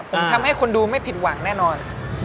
ผมทำให้คนดูไม่ผิดหวังแน่นอน